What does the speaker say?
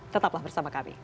tetaplah bersama kami